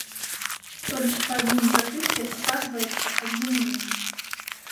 Толькі па адным запыце паказваецца адзін вынік.